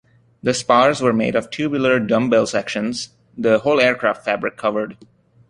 The spars were made of tubular dumbbell sections, the whole aircraft fabric covered.